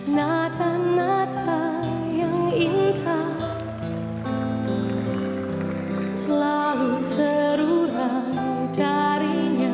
nada nada yang indah selalu terurang darinya